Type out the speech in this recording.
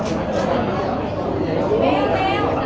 ขอบคุณหนึ่งนะคะขอบคุณหนึ่งนะคะ